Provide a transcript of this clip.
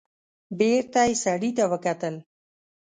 بېرته يې سړي ته وکتل.